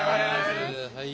はい。